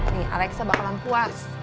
nih alexa bakalan puas